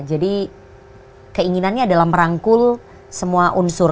jadi keinginannya adalah merangkul semua unsur